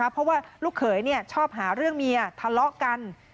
เพราะว่าลูกเขยชอบหาเรื่องเมียทะเลาะกัน